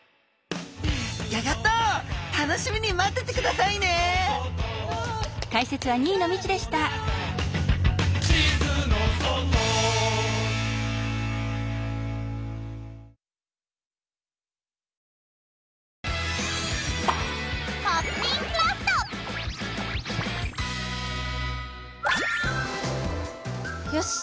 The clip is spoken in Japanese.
ギョギョッと楽しみに待っててくださいねよし！